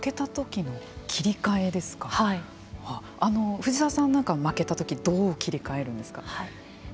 藤沢さんなんかは負けたときどう切り替えるんですか。